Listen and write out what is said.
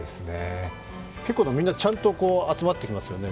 結構みんな、ちゃんと集まってきていますね。